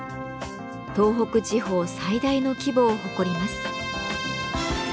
東北地方最大の規模を誇ります。